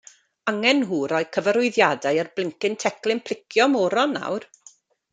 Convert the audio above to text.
Angen nhw rhoi cyfarwyddiadau ar blincin teclyn plicio moron nawr.